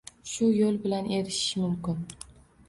Shu yo’l bilan erishish mumkin.